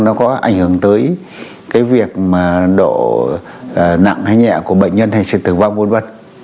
nó có ảnh hưởng tới cái việc mà độ nặng hai nhẹ của bệnh nhân người x kald hybrid